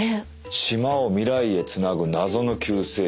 「島を未来へつなぐ謎の救世主」。